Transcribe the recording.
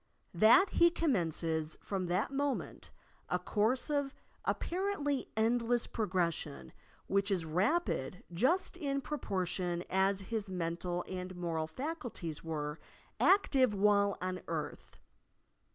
That he commences from that moment a course of apparently endless progression which is rapid just in proportion as his mental and moral faculties were active while on earth.